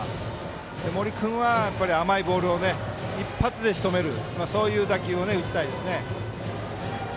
森君は甘いボールを一発でしとめる打球を打ちたいですね。